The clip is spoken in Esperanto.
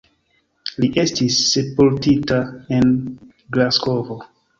Li estis sepultita en Glasgovo.